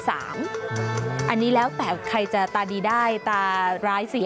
อันนี้แล้วแต่ใครจะตาดีได้ตาร้ายเสีย